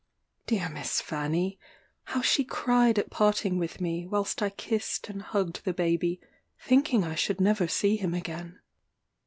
Dear Miss Fanny! how she cried at parting with me, whilst I kissed and hugged the baby, thinking I should never see him again.